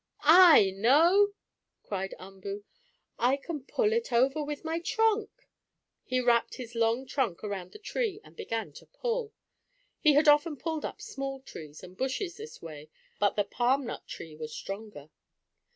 "I know!" cried Umboo. "I can pull it over with my trunk!" He wrapped his long trunk around the tree and began to pull. He had often pulled up small trees and bushes this way, but the palm nut tree was stronger.